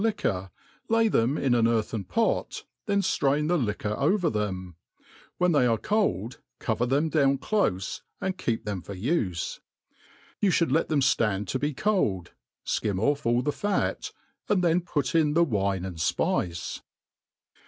liquor, lay them in an earthen pot, then flrain the liquor over them ; when they are cold, cover thqm down clofe and keep them for ufe. You (bould let them Hand' to be cold^ fkim off all the fat, .and then put In the wine and fpice.